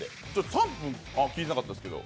３分は聞いてなかったですけど。